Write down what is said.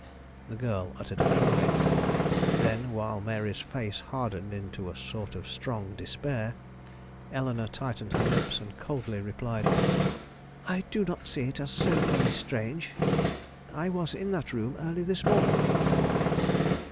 The girl uttered a cry. Then, while Mary's face hardened into a sort of strong despair, Eleanore tightened her lips and coldly replied, "I do not see as it is so very strange. I was in that room early this morning."